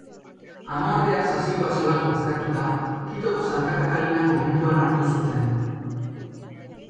Amaordeak sasikoa zelako baztertuta, Quitoko Santa Katalina komentuan hartu zuten.